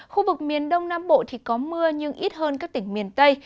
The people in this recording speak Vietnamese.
khu vực miền đông nam bộ thì có mưa nhưng ít hơn các tỉnh miền tây